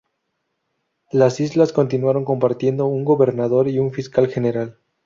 Las islas continuaron compartiendo un Gobernador y un Fiscal General.